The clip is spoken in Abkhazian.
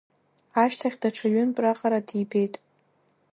Ашьҭахь даҽа ҩынтә раҟара дибеит…